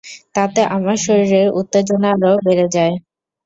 তাতে আমার শরীরের উত্তেজনা আরো বেড়ে যাই।